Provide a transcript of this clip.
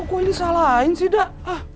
kok gue ini salahin sih dah